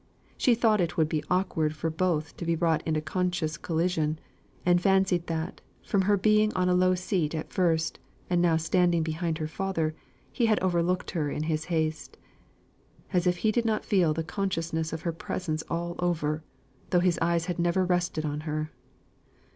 She thought it would be awkward for both to be brought into conscious collision: and fancied that, from her being on a low seat at first, and now standing behind her father, he had overlooked her in his haste. As if he did not feel the consciousness of her presence all over, though his eyes had never rested on her!